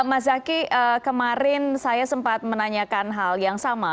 mas zaky kemarin saya sempat menanyakan hal yang sama